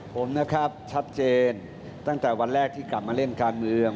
ผมนะครับชัดเจนตั้งแต่วันแรกที่กลับมาเล่นการเมือง